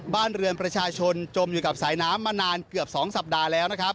บ้านเรือนประชาชนจมอยู่กับสายน้ำมานานเกือบ๒สัปดาห์แล้วนะครับ